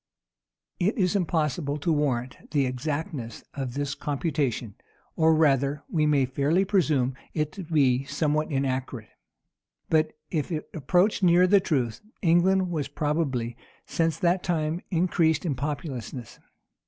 [*] It is impossible to warrant the exactness of this computation; or rather, we may fairly presume it to be somewhat inaccurate. But if it approached near the truth, England has probably, since that time, increased in populousness.